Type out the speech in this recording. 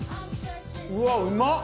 うわうまっ！